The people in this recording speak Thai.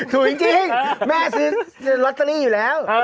ถูกจริงแม่ซื้อลอตเตอรี่อยู่แล้ว